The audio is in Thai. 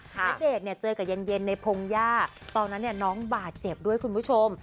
ณเดชน์เนี่ยเจอกับเย็นในพงหญ้าตอนนั้นน้องบาดเจ็บด้วยคุณผู้ชม